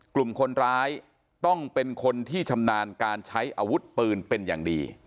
กลุ่มคนร้ายต้องเป็นคนที่ชำนาญการใช้อาวุธปืนเป็นอย่างดี